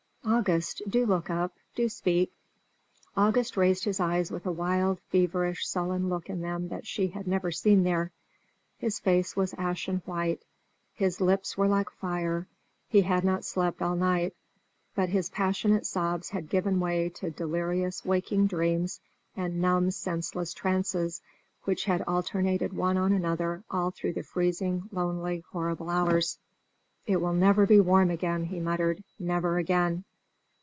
August, do look up! do speak!" August raised his eyes with a wild, feverish, sullen look in them that she had never seen there. His face was ashen white: his lips were like fire. He had not slept all night; but his passionate sobs had given way to delirious waking dreams and numb senseless trances, which had alternated one on another all through the freezing, lonely, horrible hours. "It will never be warm again," he muttered, "never again!"